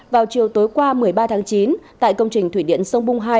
vào chiều tối qua một mươi ba tháng chín tại công trình thủy điện sông bung hai